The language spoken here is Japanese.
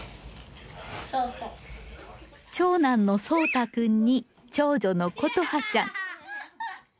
長男の蒼太くんに長女の琴葉ちゃん。